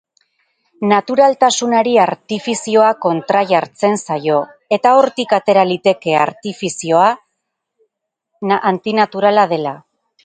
Naturaltasunari artifizioa kontrajartzen zaio, eta hortik atera liteke artifizioa antinaturala dela.